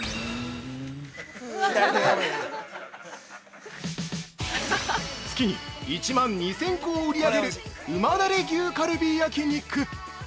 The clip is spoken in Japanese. ◆月に１万２０００個を売り上げる旨だれ牛カルビ焼肉！